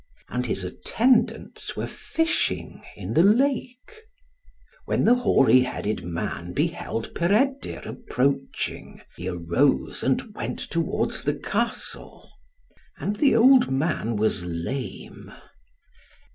And his attendants were fishing in the lake. When the hoary headed man beheld Peredur approaching, he arose, and went towards the castle. And the old man was lame.